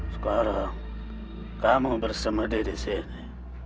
sekarang kamu bersemedi di sini